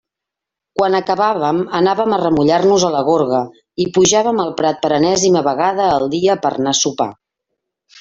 Quan acabàvem, anàvem a remullar-nos a la gorga, i pujàvem el prat per enèsima vegada al dia per a anar a sopar.